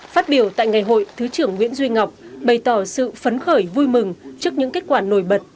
phát biểu tại ngày hội thứ trưởng nguyễn duy ngọc bày tỏ sự phấn khởi vui mừng trước những kết quả nổi bật